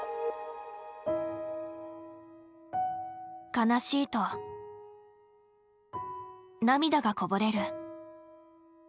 悲しいと涙がこぼれる。